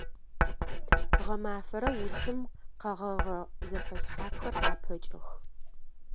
Гъэмафэрэ уцым къэгъэгъэ зэфэшъхьафхэр къапэкӏэх.